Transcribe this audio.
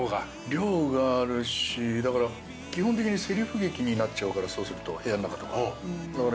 量があるしだから基本的にせりふ劇になっちゃうからそうすると部屋ん中とか。